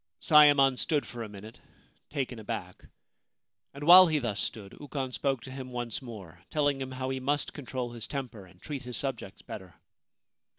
Sayemon stood for a minute taken aback, and while he thus stood Ukon spoke to him once more, telling him how he must control his temper and treat his subjects better.